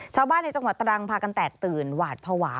ชาวบ้านในจังหวัดตรังพากันแตกตื่นหวาดภาวะ